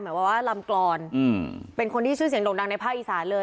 หมายความว่าลำกรอนเป็นคนที่ชื่อเสียงโด่งดังในภาคอีสานเลย